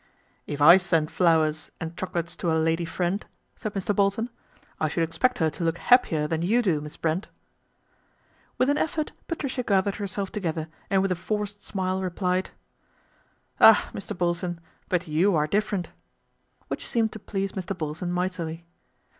11 If I sent flowers and chocolates to a lady friend," said Mr. Bolton, " I should expect her to look happier than you do, Miss Brent." With an effort Patricia gathered herself to gether and with a forced smile replied, " Ah ! Mr. Bolton, but you are different/' which seemed to please Mr. Bolton mightily.